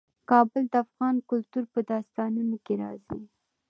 کابل د افغان کلتور په داستانونو کې راځي.